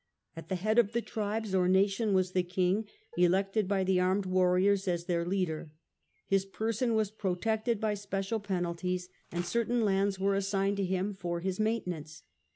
At the head of the tribe or nation was the king, elected by the The King armed warriors as their war leader. His person was protected by special penalties, and certain lands were assigned to him for his maintenance.